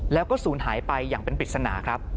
แล้วก็ศูนย์หายไปอย่างเป็นปริศนาครับ